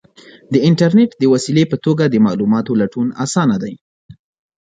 د انټرنیټ د وسیلې په توګه د معلوماتو لټون آسانه دی.